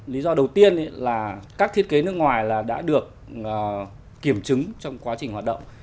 lý do đầu tiên là các thiết kế nước ngoài đã được kiểm chứng trong quá trình hoạt động